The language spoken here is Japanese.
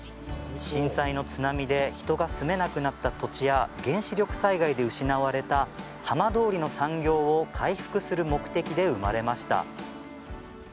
震災の津波で人が住めなくなった土地や原子力災害で失われた浜通りの産業を回復する目的で生まれました。